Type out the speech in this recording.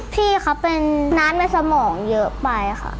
พี่เขาเป็นน้ำในสมองเยอะไปค่ะ